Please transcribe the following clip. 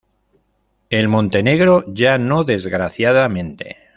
En Montenegro ya no desgraciadamente.